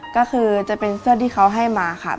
ก็คือจะเป็นเสื้อที่เขาให้มาค่ะ